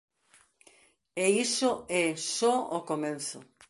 E iso é só o comezo.